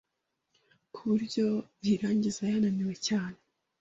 ku buryo iyirangiza yananiwe cyane